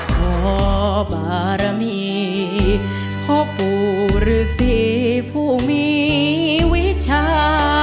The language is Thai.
พ่อบารมีพ่อปู่หรือสิ่งผู้มีวิชา